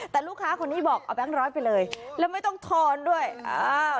แต่ลูกค้าคนนี้บอกเอาแบงค์ร้อยไปเลยแล้วไม่ต้องทอนด้วยอ่า